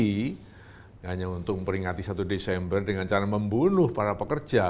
tidak hanya untuk memperingati satu desember dengan cara membunuh para pekerja